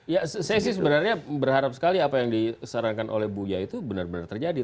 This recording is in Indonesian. ya saya sih sebenarnya berharap sekali apa yang disarankan oleh bu ya itu benar benar terjadi